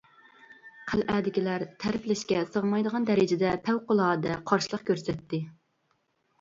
قەلئەدىكىلەر تەرىپلەشكە سىغمايدىغان دەرىجىدە پەۋقۇلئاددە قارشىلىق كۆرسەتتى.